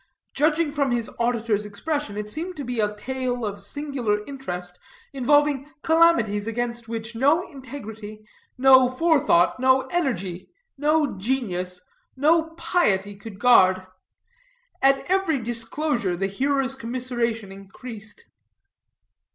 Judging from his auditor's expression, it seemed to be a tale of singular interest, involving calamities against which no integrity, no forethought, no energy, no genius, no piety, could guard. At every disclosure, the hearer's commiseration increased.